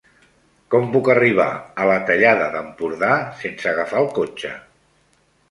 Com puc arribar a la Tallada d'Empordà sense agafar el cotxe?